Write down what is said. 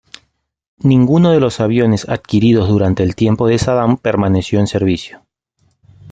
Ninguno de los aviones adquiridos durante el tiempo de Saddam permaneció en servicio.